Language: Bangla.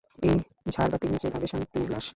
এই ঝারবাতির নীচে পাবে শান্তির লাশ।